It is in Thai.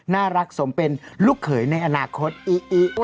น่ารักสมเป็นลูกเขยในอนาคตอิอิ